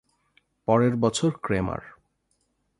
পরের বছর ক্রেমার.